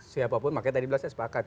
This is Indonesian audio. siapapun makanya tadi bilang saya sepakat